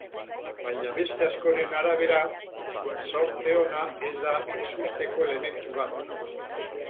Baina beste askoren arabera, zorte ona ez da ezusteko elementu bat.